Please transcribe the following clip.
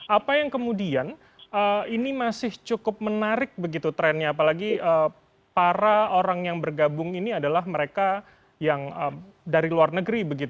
apa yang kemudian ini masih cukup menarik begitu trennya apalagi para orang yang bergabung ini adalah mereka yang dari luar negeri